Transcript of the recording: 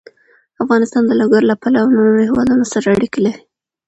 افغانستان د لوگر له پلوه له نورو هېوادونو سره اړیکې لري.